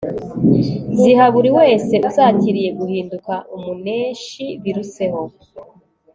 ziha buri wese uzakiriye guhinduka umuneshi biruseho